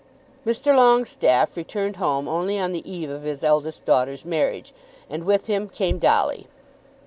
Mr. Longestaffe returned home only on the eve of his eldest daughter's marriage, and with him came Dolly.